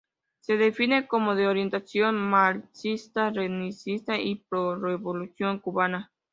Se define como de orientación marxista-leninista y pro-revolución cubana.